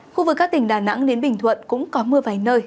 khu vực các tỉnh đà nẵng đến bình thuận cũng có mưa vài nơi